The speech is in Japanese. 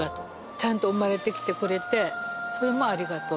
ちゃんと生まれてきてくれてそれも「ありがとう」。